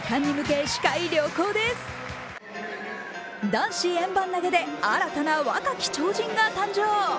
男子円盤投で新たな若き超人が誕生。